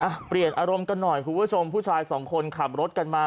เปลี่ยนอารมณ์กันหน่อยคุณผู้ชมผู้ชายสองคนขับรถกันมา